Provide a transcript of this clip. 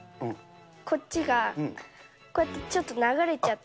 こっちが、こうやってちょっと流れちゃって。